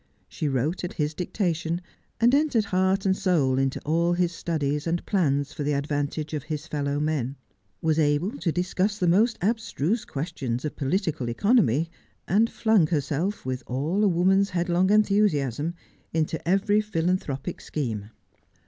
She wrote at his dictation, and entered heart and soul into all his studies and plans for the advantage of his fellow men ; was able to discuss the most abstruse questions of political economy, and flung herself, with all a woman's headlong enthusiasm, into every philanthropic scheme.